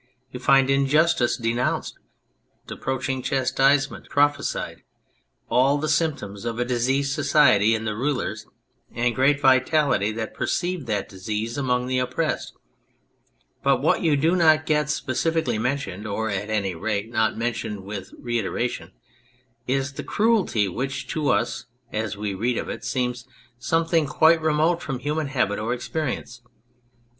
You find injustice denounced, approaching chastisement prophesied, all the symptoms of a diseased society in the rulers and great vitality that perceived that disease among the oppressed, but what you do not get specifically mentioned, or at any rate not mentioned with reiteration, is the cruelty which to us as we read of it seems something quite remote from human habit or experience.